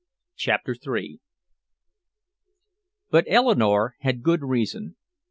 CHAPTER III But Eleanore had good reason.